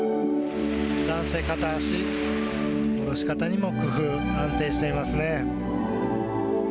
男性片足おろし方にも工夫安定していますね。